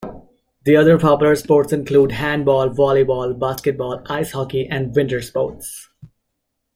Other popular sports include handball, volleyball, basketball, ice hockey, and Winter sports.